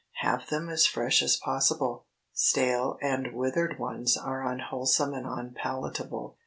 Have them as fresh as possible. Stale and withered ones are unwholesome and unpalatable.